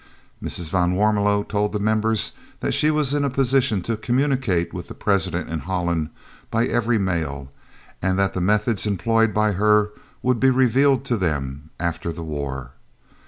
Mrs. van Warmelo told the members that she was in a position to communicate with the President in Holland by every mail, and that the methods employed by her would be revealed to them after the war.